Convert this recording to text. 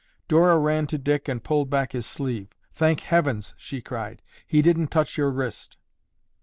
Dora ran to Dick and pulled back his sleeve. "Thank heavens," she cried, "he didn't touch your wrist."